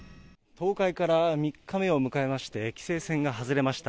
倒壊から３日目を迎えまして、規制線が外れました。